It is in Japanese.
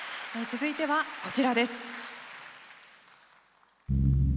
続いては、こちらです。